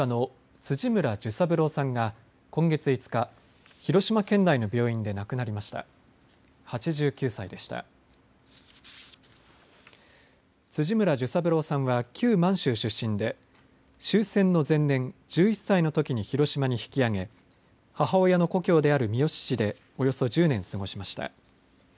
辻村寿三郎さんは旧満州出身で終戦の前年、１１歳のときに広島に引き揚げ母親の故郷である三次市でおよそ１０年過ごしました。